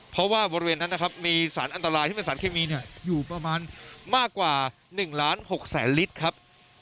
เพราะว่าบริเวณนั้นนะครับมีสารอันตรายที่เป็นสารเคมีอยู่ประมาณมากกว่า๑ล้าน๖แสนลิตรครับ